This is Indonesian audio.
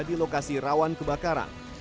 di lokasi rawan kebakaran